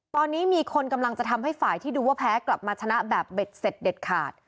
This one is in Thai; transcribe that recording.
ตอนนี้มีคนกำลังจะทำให้ฝ่ายที่ดูว่าแพ้กลับมาชนะแบบเบ็ดเสร็จเด็ดขาด